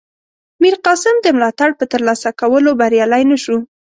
میرقاسم د ملاتړ په ترلاسه کولو بریالی نه شو.